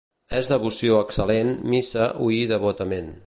És devoció excel·lent missa oir devotament.